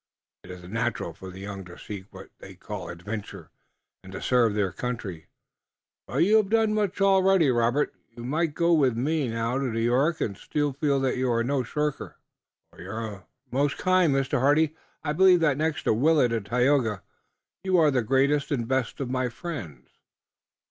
It is natural for the young to seek what they call adventure, and to serve their country, but you have done much already, Robert. You might go with me now to New York, and still feel that you are no shirker." "You are most kind, Mr. Hardy. I believe that next to Willet and Tayoga you are the greatest and best of my friends.